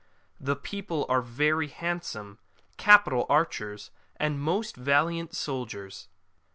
The people are very handsome, capital archers, and most valiant soldiers.